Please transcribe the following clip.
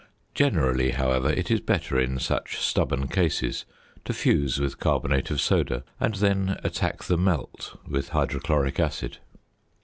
Generally, however, it is better in such stubborn cases to fuse with carbonate of soda, and then attack the "melt" with hydrochloric acid.